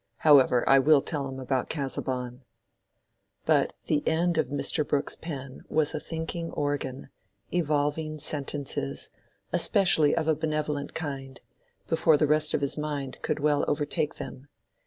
However, I will tell him about Casaubon." But the end of Mr. Brooke's pen was a thinking organ, evolving sentences, especially of a benevolent kind, before the rest of his mind could well overtake them.